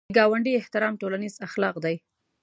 د ګاونډي احترام ټولنیز اخلاق دي